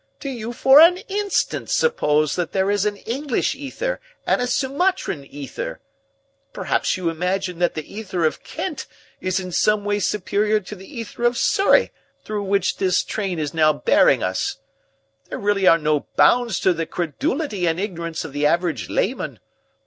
Do you for an instant suppose that there is an English ether and a Sumatran ether? Perhaps you imagine that the ether of Kent is in some way superior to the ether of Surrey, through which this train is now bearing us. There really are no bounds to the credulity and ignorance of the average layman.